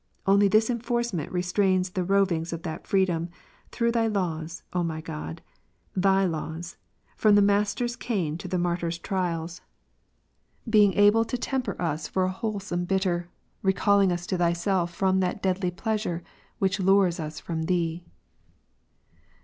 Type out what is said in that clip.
Only this enforcement re strains the rovings of that freedom, through Thy laws, O my God, Thy laws, from the master's cane to the martyr's trials, being able to temper for us a wholesome bitter, recalling us to Thyself from that deadly pleasure which lures us from Thee.